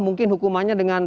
mungkin hukumannya dengan